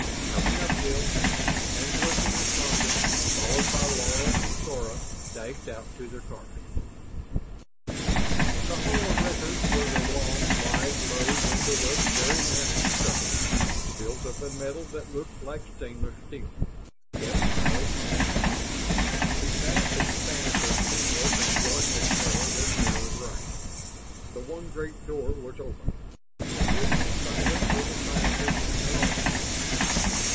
"Coming up, Bill," and Hilton and Sandra, followed by Laro and Sora, dashed out to their cars. The Hall of Records was a long, wide, low, windowless, very massive structure, built of a metal that looked like stainless steel. Kept highly polished, the vast expanse of seamless and jointless metal was mirror bright. The one great door was open, and just inside it were the scientists and their Omans.